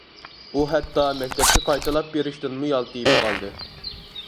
ئۇ ھەتتا مەكتەپكە قايتىلاپ بېرىشتىنمۇ يالتىيىپ قالدى.